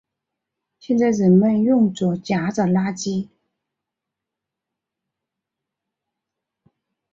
现在人们用作夹着垃圾。